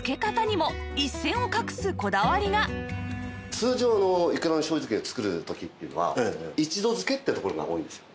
通常のいくらの醤油漬けを作る時っていうのは１度漬けっていうところが多いんですよ。